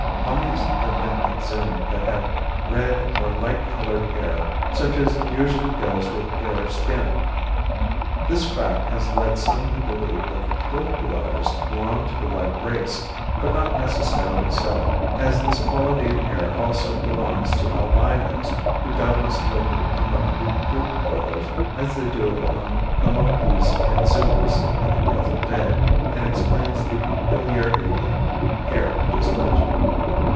Mummies have been exhumed that have red or light colored hair such as usually goes with a fair skin. This fact has led some to believe that the cliff dwellers belonged to the white race, but not necessarily so, as this quality of hair also belongs to albinos, who doubtless lived among the cliff dwellers as they do among the Moquis and Zunis at the present day, and explains the peculiarity of hair just mentioned.